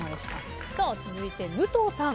さあ続いて武藤さん。